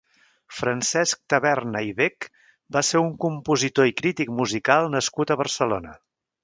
Francesc Taverna i Bech va ser un compositor i crític musical nascut a Barcelona.